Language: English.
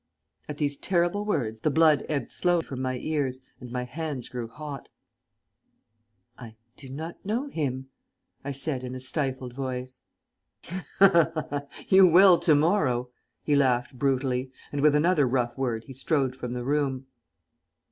At these terrible words the blood ebbed slowly from my ears and my hands grew hot. "I do not know him," I said in a stifled voice. "You will to morrow," he laughed brutally, and with another rough word he strode from the room.